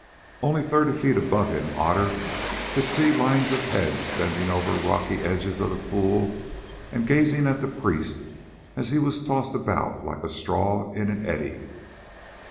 Only thirty feet above him Otter could see lines of heads bending over the rocky edges of the pool and gazing at the priest as he was tossed about like a straw in an eddy.